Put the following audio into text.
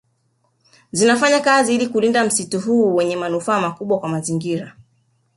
Zinafanya kazi ili kulinda msitu huu wenye manufaa makubwa kwa mazingira